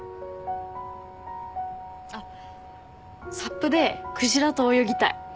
あっサップでクジラと泳ぎたい。